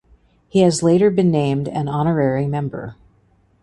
He has later been named an honorary member.